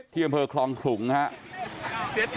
ที่อำเภอคลองถุงครับ